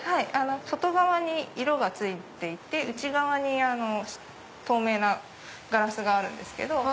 外側に色がついていて内側に透明なガラスがあるんですけど。